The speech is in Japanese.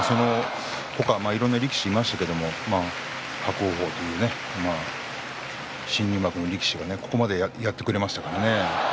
いろんな力士がいましたけれど伯桜鵬というね新入幕の力士がここまでやってくれましたからね。